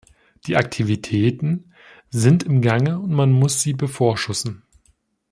Die Aktivitäten sind im Gange und man muss sie bevorschussen.